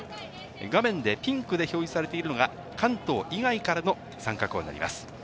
画面でピンクで表示されているのが関東以外からの参加校になります。